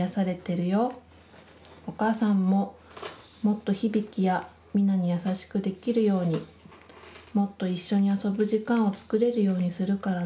お母さんももっと日々貴やみなに優しくできるようにもっと一緒に遊ぶ時間をつくれるようにするからね。